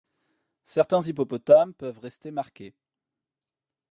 Certains hippopotames peuvent rester marqués.